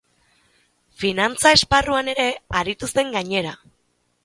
Finantza esparruan ere aritu zen, gainera.